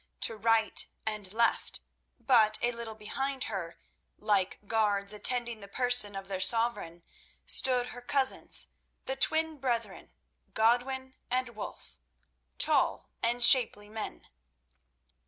To right and left, but a little behind her, like guards attending the person of their sovereign, stood her cousins, the twin brethren, Godwin and Wulf, tall and shapely men.